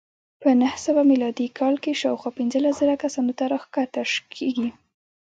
په نهه سوه میلادي کال کې شاوخوا پنځلس زره کسانو ته راښکته کېږي.